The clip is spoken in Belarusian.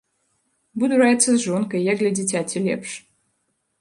Буду раіцца з жонкай, як для дзіцяці лепш.